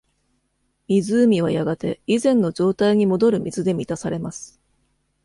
湖はやがて以前の状態に戻る水で満たされます。